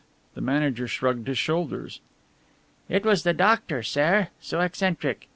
The manager shrugged his shoulders. "It was the doctor, sare so eccentric!